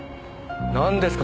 なんですか？